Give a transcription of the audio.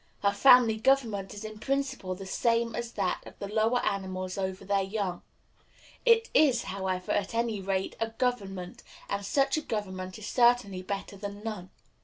Her family government is in principle the same as that of the lower animals over their young. It is, however, at any rate, a government; and such government is certainly better than none.